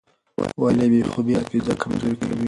ولې بې خوبي حافظه کمزورې کوي؟